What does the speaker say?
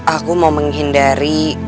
aku mau menghindari